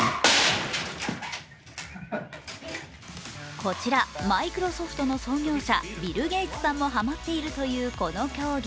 こちら、マイクロソフトの創業者ビル・ゲイツさんもはまっているという競技